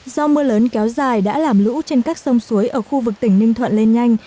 do mưa lớn kéo dài đã làm lũ trên các sông suối ở khu vực tỉnh ninh thuận lên nhanh